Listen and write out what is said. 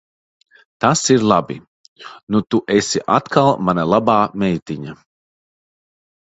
Tas ir labi. Nu tu esi atkal mana labā meitiņa.